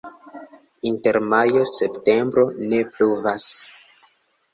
Inter majo-septembro ne pluvas.